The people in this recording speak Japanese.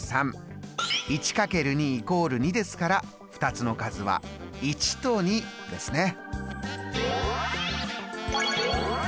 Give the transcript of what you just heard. １＋２＝３１×２＝２ですから２つの数は１と２ですね。